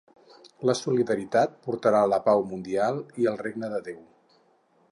La solidaritat portarà la pau mundial i el Regne de Déu.